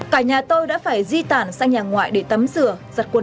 cả nhà tôi đã phải di tản sang nhà ngoại để tắm rửa giặt quần áo